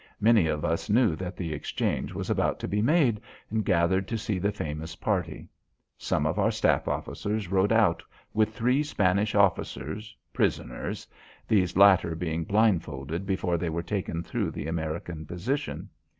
Many of us knew that the exchange was about to be made, and gathered to see the famous party. Some of our Staff officers rode out with three Spanish officers prisoners these latter being blindfolded before they were taken through the American position.